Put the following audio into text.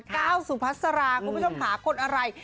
ก้าวสุพัสราคุณผู้ชมค่ะคนอะไร